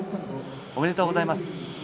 おめでとうございます。